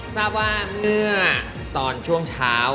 ทราบว่าเมื่อตอนช่วงเช้า